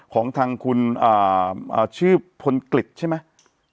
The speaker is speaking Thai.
ของทางคุณชื่อพลกฤษใช่ไหม